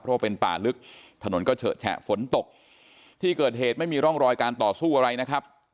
เพราะว่าเป็นป่าลึกถนนก็เฉอะแฉะฝนตกที่เกิดเหตุไม่มีร่องรอยการต่อสู้อะไรนะครับ